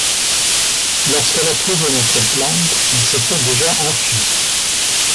Lorsqu’elle a trouvé notre planque, on s’était déjà enfuis.